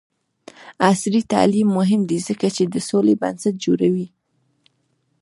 عصري تعلیم مهم دی ځکه چې د سولې بنسټ جوړوي.